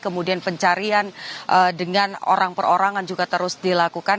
kemudian pencarian dengan orang per orang yang juga terus dilakukan